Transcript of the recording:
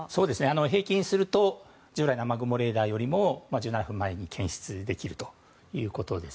平均すると従来の雨雲レーダーよりも１７分前に検出できるということです。